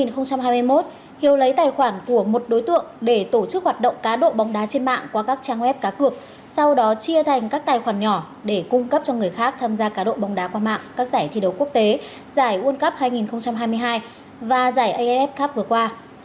năm hai nghìn hai mươi một hiếu lấy tài khoản của một đối tượng để tổ chức hoạt động cá độ bóng đá trên mạng qua các trang web cá cược sau đó chia thành các tài khoản nhỏ để cung cấp cho người khác tham gia cá độ bóng đá qua mạng các giải thi đấu quốc tế giải world cup hai nghìn hai mươi hai và giải af cup vừa qua